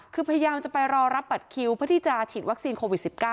คือพยายามจะไปรอรับบัตรคิวเพื่อที่จะฉีดวัคซีนโควิด๑๙